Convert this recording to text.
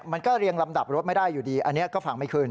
เรียงลำดับรถไม่ได้อยู่ดีอันนี้ก็ฟังไม่ขึ้น